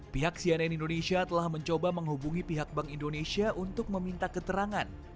pihak cnn indonesia telah mencoba menghubungi pihak bank indonesia untuk meminta keterangan